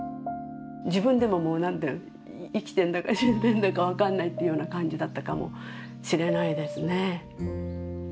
自分でももう生きてるんだか死んでるんだか分からないっていうような感じだったかもしれないですね。